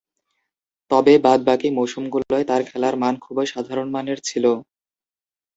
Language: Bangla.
তবে, বাদ-বাকী মৌসুমগুলোয় তার খেলার মান খুবই সাধারণমানের ছিল।